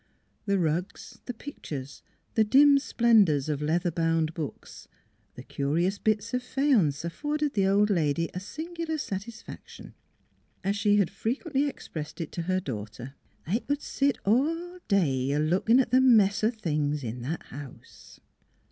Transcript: ... The rugs, the pictures, the dim splendors of leather bound NEIGHBORS books, the curious bits of faience afforded the old lady a singular satisfaction. As she had frequently expressed it to her daughter: "I c'd set all day a lookin' at the mess o' things in that house."